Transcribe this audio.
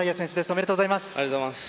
ありがとうございます。